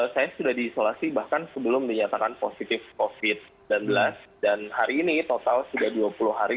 saya sudah diisolasi bahkan sebelum dinyatakan positif covid sembilan belas dan hari ini total sudah dua puluh hari